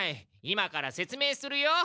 今から説明するよ。